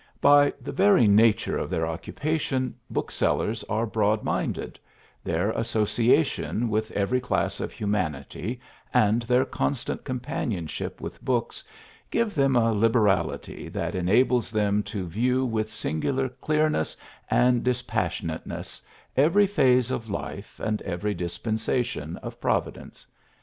By the very nature of their occupation booksellers are broad minded; their association with every class of humanity and their constant companionship with books give them a liberality that enables them to view with singular clearness and dispassionateness every phase of life and every dispensation of Providence.